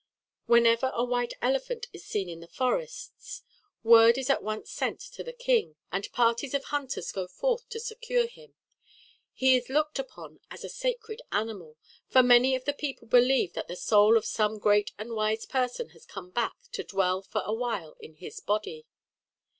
Whenever a white elephant is seen in the forests, word is at once sent to the king, and parties of hunters go forth to secure him. He is looked upon as a sacred animal, for many of the people believe that the soul of some great and wise person has come back to dwell for a while in his body.